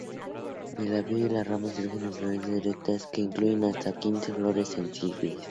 Del ápice de las ramas surgen inflorescencias, erectas, que incluye hasta quince flores sensibles.